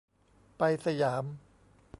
ไป สยาม